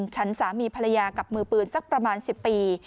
ฉันสามีภรรยากับมือปืนสักประมาณ๑๐ปี